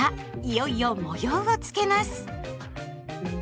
いよいよ模様をつけます。